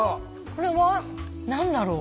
これは何だろう？